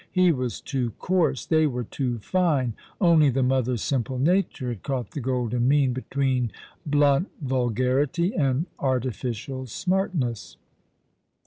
He was too coarse ; they were too fine ; only the mother's simple nature had caught the golden mean between blunt vulgarity and artificial smartness.